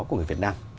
của người việt nam